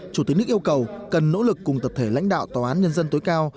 chủ tịch nước yêu cầu cần nỗ lực cùng tập thể lãnh đạo tòa án nhân dân tối cao